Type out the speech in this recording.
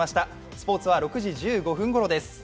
スポーツは６時１５分ごろです。